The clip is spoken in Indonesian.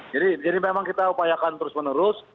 memang kita upayakan terus menerus